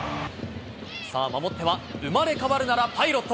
さあ、守っては、生まれ変わるならパイロット。